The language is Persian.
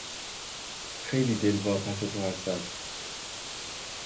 خیلی دلواپس تو هستم!